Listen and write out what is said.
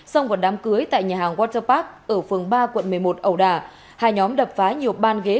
xong vỏ đám cưới tại nhà hàng waterpark ở phường ba quận một mươi một ẩu đà hai nhóm đập phá nhiều ban ghế